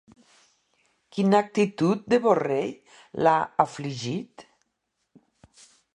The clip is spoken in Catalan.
Quina actitud de Borrell l'ha afligit?